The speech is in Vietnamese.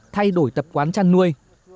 thay đổi tập quán chăn nuôi